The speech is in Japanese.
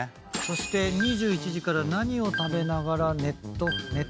そして２１時から何を食べながらネトフリ。